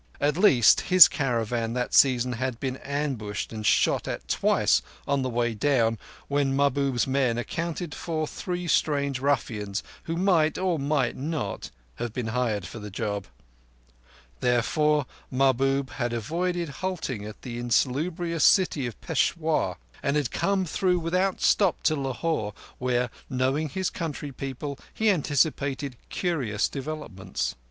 At least, his caravan that season had been ambushed and shot at twice on the way down, when Mahbub's men accounted for three strange ruffians who might, or might not, have been hired for the job. Therefore Mahbub had avoided halting at the insalubrious city of Peshawur, and had come through without stop to Lahore, where, knowing his country people, he anticipated curious developments.